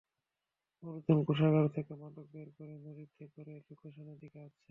অর্জুন কোষাগার থেকে মাদক বের করে, লরিতে করে লোকেশনের দিকে আসছে।